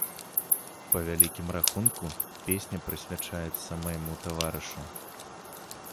Па вялікім рахунку, песня прысвячаецца майму таварышу.